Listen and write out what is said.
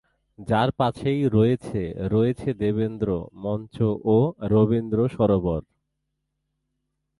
যার পাশেই রয়েছে রয়েছে দেবেন্দ্র মঞ্চ ও রবীন্দ্র সরোবর।